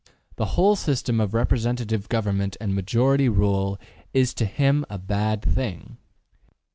The whole system of representative government and majority rule is to him a bad thing.